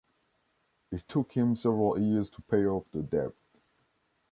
It took him several years to pay off the debt.